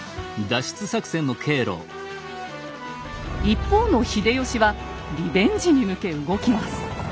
一方の秀吉はリベンジに向け動きます。